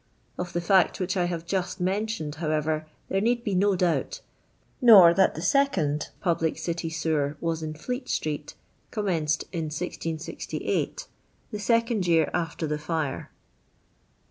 Of the fact which I have just mentioned, however, there need be no doubt; nor that the teeond public City sewer was in Fleet street, commenced in 1668, the second year after the fire.